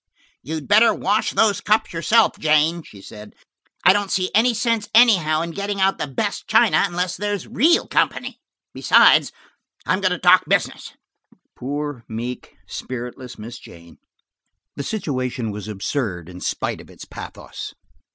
"You'd better wash those cups yourself, Jane," she said. "I don't see any sense anyhow in getting out the best china unless there's real company. Besides, I'm going to talk business." Poor, meek, spiritless Miss Jane! The situation was absurd in spite of its pathos.